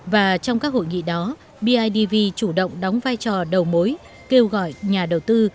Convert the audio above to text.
và trong các hội nghị đó bidv chủ động đóng vai trò đầu mối kêu gọi nhà đầu tư